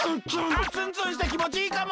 あツンツンしてきもちいいかも。